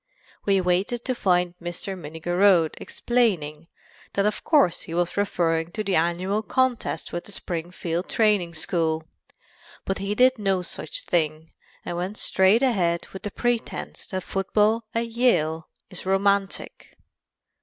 We waited to find Mr. Minnigerode explaining that of course he was referring to the annual contest with the Springfield Training School, but he did no such thing and went straight ahead with the pretense that football at Yale is romantic.